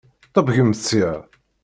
Ṭebbgemt sya!